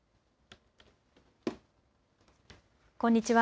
こんにちは。